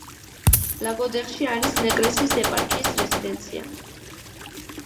ლაგოდეხში არის ნეკრესის ეპარქიის რეზიდენცია.